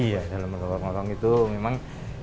iya dalam lorong lorong itu memang